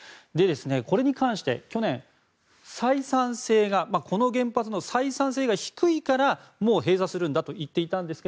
これに関して去年この原発の採算性が低いからもう閉鎖するんだと言っていたんですが